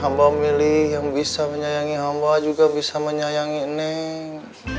amba milih yang bisa menyayangi amba juga bisa menyayangi neng